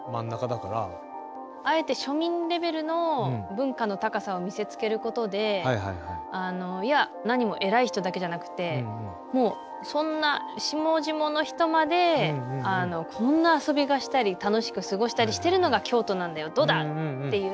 あえて庶民レベルの文化の高さを見せつけることでいや何も偉い人だけじゃなくてもうそんな下々の人までこんな遊びがしたり楽しく過ごしたりしてるのが京都なんだよどうだ！っていう。